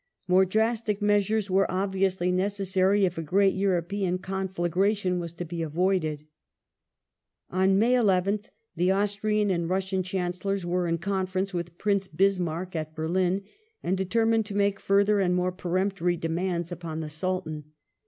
More drastic measures were obviously necessary if a great European con flagration was to be avoided. The Ber On May 11th the Austrian and Russian Chancellor were in orandum conference with Prince Bismarck at Berlin, and determined to make further and more peremptory demands upon the Sultan.